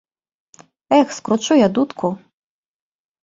Эх, скручу я дудку!